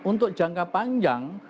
untuk jangka panjang